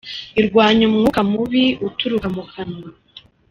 Irwanya umwuka mubi uturuka mu kanwa.